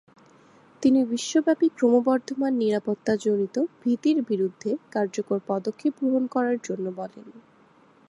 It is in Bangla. তিনি বিশ্বব্যাপী ক্রমবর্ধমান নিরাপত্তাজনিত ভীতির বিরুদ্ধে কার্যকর পদক্ষেপ গ্রহণ করার জন্য বলেন।